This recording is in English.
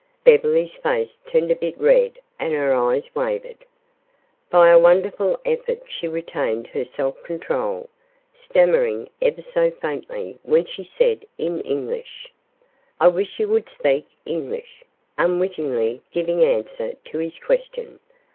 Beverly's face turned a bit red and her eyes wavered. By a wonderful effort she retained her self control, stammering ever so faintly when she said in English: "I wish you would speak English," unwittingly giving answer to his question.